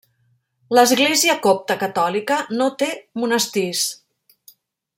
L'Església copta catòlica no té monestirs.